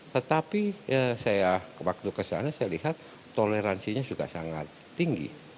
tetapi saya waktu kesana saya lihat toleransinya juga sangat tinggi